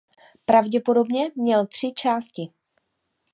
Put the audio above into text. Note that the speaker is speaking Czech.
Pravděpodobně měl tři části.